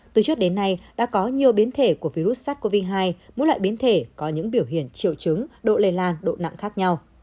từ trước đến nay đã có nhiều biến thể của virus sars cov hai mỗi loại biến thể có những biểu hiện triệu chứng độ lây lan độ nặng khác nhau